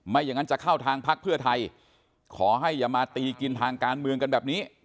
อย่างนั้นจะเข้าทางพักเพื่อไทยขอให้อย่ามาตีกินทางการเมืองกันแบบนี้